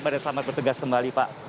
badan selamat bertegas kembali pak